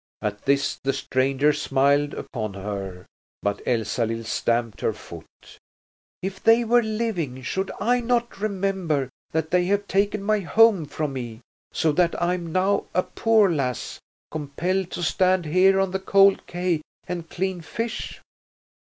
At this the stranger smiled upon her, but Elsalill stamped her foot. "If they were living, should I not remember that they have taken my home from me, so that I am now a poor lass, compelled to stand here on the cold quay and clean fish?